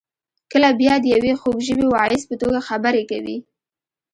کله بیا د یوې خوږ ژبې واعظ په توګه خبرې کوي.